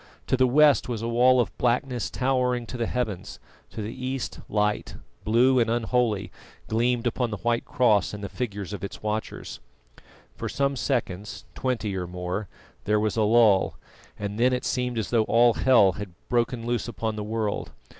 To the west was a wall of blackness towering to the heavens; to the east, light, blue and unholy, gleamed upon the white cross and the figures of its watchers. For some seconds twenty or more there was a lull, and then it seemed as though all hell had broken loose upon the world.